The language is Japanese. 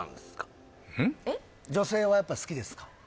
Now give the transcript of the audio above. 女性はやっぱ好きですか？